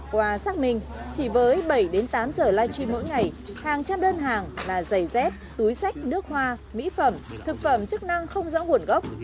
qua xác minh chỉ với bảy tám giờ live stream mỗi ngày hàng trăm đơn hàng là giày dép túi sách nước hoa mỹ phẩm thực phẩm chức năng không rõ nguồn gốc